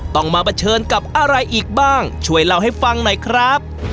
ต้องมาเผชิญกับอะไรอีกบ้างช่วยเล่าให้ฟังหน่อยครับ